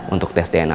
untuk tes dna